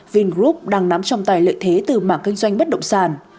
vingroup đang nắm trong tài lợi thế từ mảng kinh doanh bất động sản